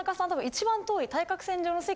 一番遠い。